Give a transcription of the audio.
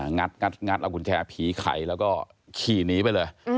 งัดเอากุญแจผีไข่แล้วก็ขี่หนีไปเลย